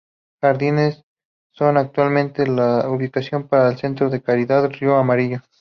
Los jardines son actualmente la ubicación para el Centro de Caridad Río Amarillo.